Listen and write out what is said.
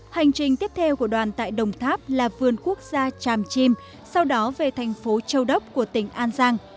hành trình tiếp theo của đoàn tại đồng tháp là vườn quốc gia tràm chim sau đó về thành phố châu đốc của tỉnh an giang